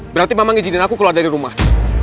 berarti mama ngijinin aku keluar dari rumah